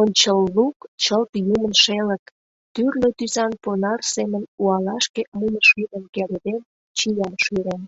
Ончыллук — чылт юмын шелык: тӱрлӧ тӱсан понар семын уалашке мунышӱмым кереден, чиям шӱрен.